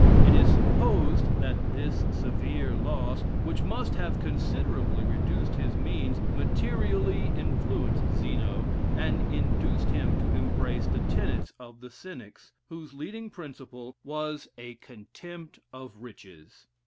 It is supposed that this severe loss, which must have considerably reduced his means, materially influenced Zeno, and induced him to embrace the tenets of the Cynics, whose leading principle was a contempt of riches.